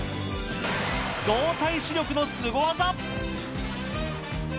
動体視力のスゴ技。